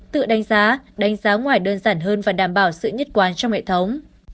tự đánh giá đánh giá ngoài đơn giản hơn và đảm bảo sự nhất quán trong hệ thống